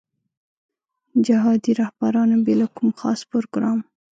جهادي رهبرانو بې له کوم خاص پروګرام.